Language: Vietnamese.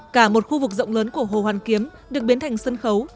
cả một khu vực rộng lớn của hồ hoàn kiếm được biến thành sân khấu